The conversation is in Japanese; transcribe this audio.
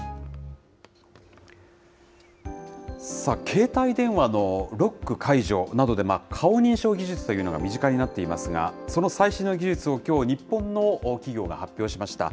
携帯電話のロック解除などで、顔認証技術というのが身近になっていますが、その最新の技術を、きょう日本の企業が発表しました。